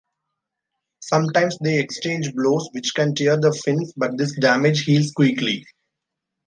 Sometimes they exchange blows which can tear the fins, but this damage heals quickly.